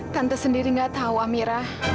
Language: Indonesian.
tante sendiri nggak tahu mira